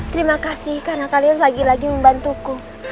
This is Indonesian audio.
terima kasih karena kalian lagi lagi membantuku